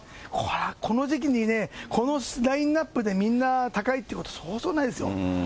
この時期にね、このラインナップでみんな高いってことそうそうないですよ。